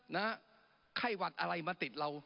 ไข้หวัดอะไรมาติดเรา